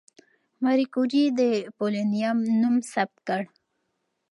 ماري کوري د پولونیم نوم ثبت کړ.